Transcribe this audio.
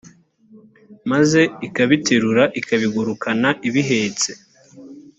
maze ikabiterura ikabigurukana ibihetse.